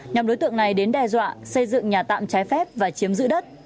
nhóm đối tượng này đến đe dọa xây dựng nhà tạm trái phép và chiếm giữ đất